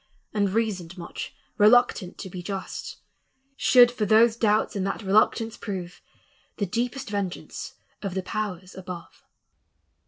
And reasoned much, reluctant to be just, Should for those doubts and that reluctance prove The deepest vengeance of the powers above."